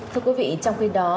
thưa quý vị trong khi đó